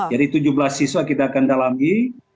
jadi tujuh belas siswa kita akan dalami